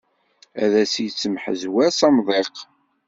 Ad as-yettemḥezwar s amḍiq.